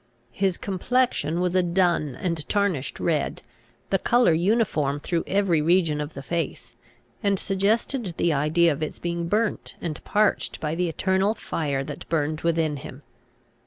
His complexion was a dun and tarnished red, the colour uniform through every region of the face, and suggested the idea of its being burnt and parched by the eternal fire that burned within him.